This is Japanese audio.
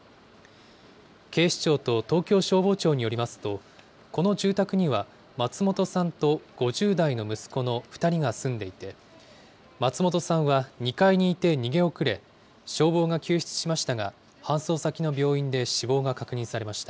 警視庁と東京消防庁によりますと、この住宅には松本さんと５０代の息子の２人が住んでいて、松本さんは２階にいて逃げ遅れ、消防が救出しましたが、搬送先の病院で死亡が確認されました。